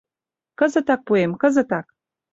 — Кызытак пуэм, кызытак...